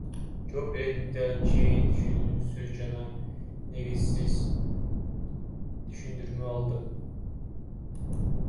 Жооп иретинде анчейин түшүнүксүз жана негизсиз түшүндүрмө алдым.